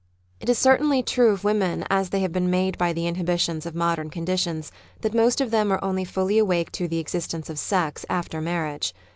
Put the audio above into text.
It is certainly true of wom^en as they have been made by the inhibitions of modern conditions, that most of them are only fully awake to the existence of sex after marriage.